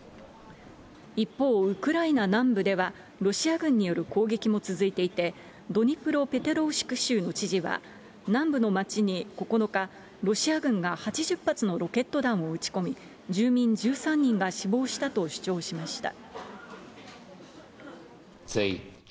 一方、ウクライナ南部では、ロシア軍による攻撃も続いていて、ドニプロペトロウシク州の知事は、南部の町に９日、ロシア軍が８０発のロケット弾を撃ち込み、住民１３人が死亡したと主張しました。